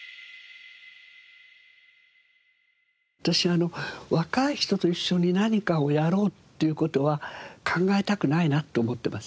私若い人と一緒に何かをやろうっていう事は考えたくないなって思ってます。